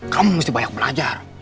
kamu mesti banyak belajar